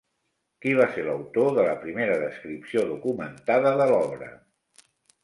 Qui va ser l'autor de la primera descripció documentada de l'obra?